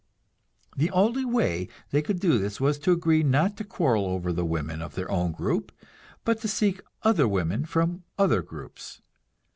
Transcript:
The only way they could do this was to agree not to quarrel over the women of their own group, but to seek other women from other groups.